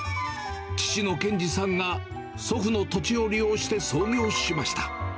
父の賢治さんが祖父の土地を利用して創業しました。